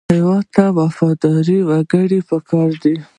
هېواد ته وفادار وګړي پکار دي